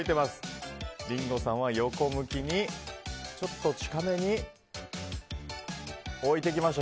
リンゴさんは横向きでちょっと近めに置いてきました。